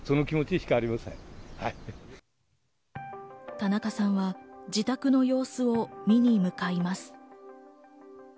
田中さんは自宅の様子を見に向かいます。